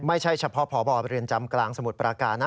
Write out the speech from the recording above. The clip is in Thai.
ไม่ใช่เฉพาะพบเรือนจำกลางสมุทรปราการนะ